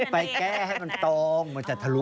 ไปแก้ให้มันตรงมันจะทะลุ